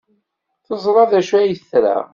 Teẓra d acu ay tra.